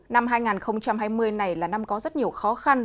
năm hai nghìn hai mươi này là năm có rất nhiều khó khăn